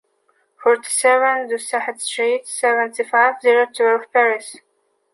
Forty-seven du Sahel street, seventy-five, zero twelve, Paris